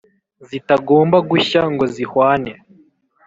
zitagomba gushya ngo zihwane.